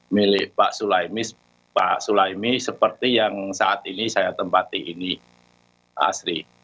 milik pak sulaimis pak sulaimi seperti yang saat ini saya tempati ini asri